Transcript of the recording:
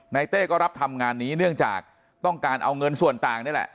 เต้ก็รับทำงานนี้เนื่องจากต้องการเอาเงินส่วนต่างนี่แหละ